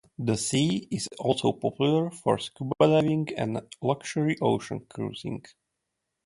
The sea is also popular for scuba diving and luxury ocean cruising.